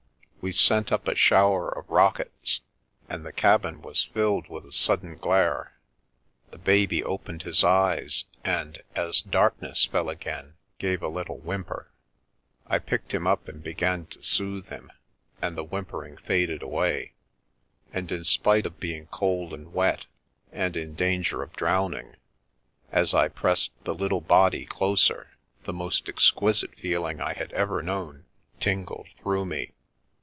We sent up a shower of rockets, and the cabin wai filled with a sudden glare. The baby opened his eyes and, as darkness fell again, gave a little whimper, picked him up and began to soothe him, and th< whimpering faded away; and, in spite of being cole and wet, and in danger of drowning, as I pressed th< little body closer the most exquisite feeling I had eve: known tingled through me.